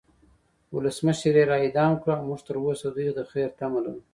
ولسمشر یی را اعدام کړو او مونږ تروسه د دوی د خیر تمه لرو